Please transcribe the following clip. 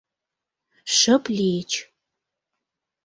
Шып лийыч.